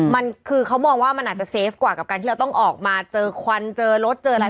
มันคือเขามองว่ามันอาจจะเฟฟกว่ากับการที่เราต้องออกมาเจอควันเจอรถเจออะไร